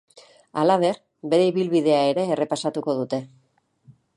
Halaber, bere ibilbidea ere errepasatuko dute.